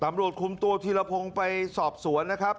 ตำรวจคุมตัวธีรพงศ์ไปสอบสวนนะครับ